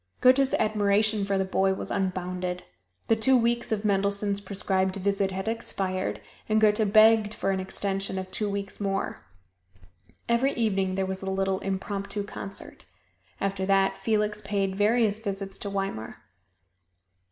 Goethe's admiration for the boy was unbounded. The two weeks of Mendelssohn's prescribed visit had expired and Goethe begged for an extension of two weeks more. Every evening there was the little impromptu concert. After that Felix paid various visits to Weimar.